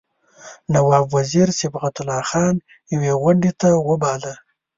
نواب وزیر صبغت الله خان یوې غونډې ته وباله.